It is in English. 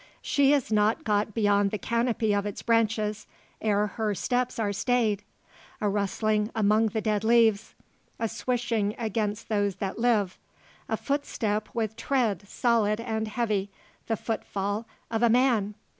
She is not got beyond the canopy of its branches, ere her steps are stayed. A rustling among the dead leaves a swishing against those that live a footstep with tread solid and heavy the footfall of a man!